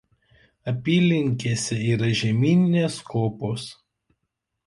Apylinkėse yra žemyninės kopos.